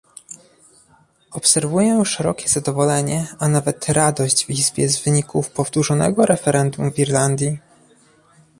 Obserwuję szerokie zadowolenie, a nawet radość w Izbie z wyników powtórzonego referendum w Irlandii